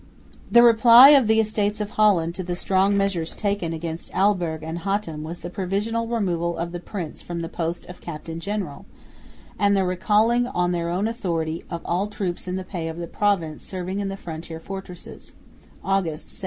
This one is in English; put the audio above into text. The reply of the Estates of Holland to the strong measures taken against Elburg and Hattem was the "provisional" removal of the prince from the post of captain general, and the recalling, on their own authority, of all troops in the pay of the province serving in the frontier fortresses (August, 1786).